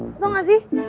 lo tau ga sih